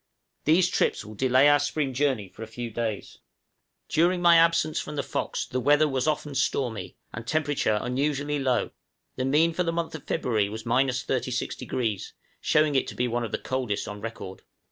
These trips will delay our spring journeys for a few days. During my absence from the 'Fox' the weather was often stormy, and temperature unusually low; the mean for the month of February was 36°, showing it to be one of the coldest on record.